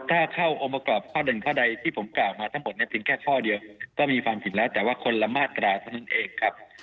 ถ้าเข้าองค์ประกอบข้อหนึ่งข้อใดที่ผมกล่าวมาทั้งหมดเนี่ยเพียงแค่ข้อเดียวก็มีความผิดแล้วแต่ว่าคนละมาตราเท่านั้นเองครับ